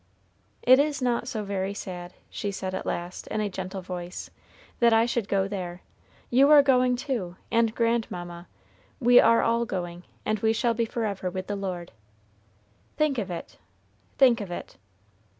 "It is not so very sad," she said at last, in a gentle voice, "that I should go there; you are going, too, and grandmamma; we are all going; and we shall be forever with the Lord. Think of it! think of it!"